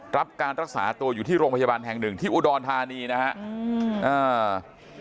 รับการรักษาตัวอยู่ที่โรงพยาบาลแห่งหนึ่งที่อุดรธานีนะฮะอืมอ่า